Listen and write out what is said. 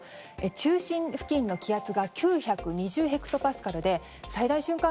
中心付近の気圧が９２０ヘクトパスカルで最大瞬間